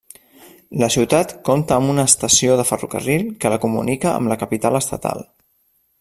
La ciutat compta amb una estació de ferrocarril que la comunica amb la capital estatal.